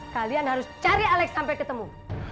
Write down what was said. kalian harus cari alex sampai ketemu